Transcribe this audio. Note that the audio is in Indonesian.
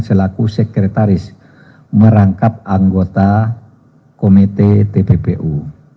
selaku sekretaris merangkap anggota komite tppu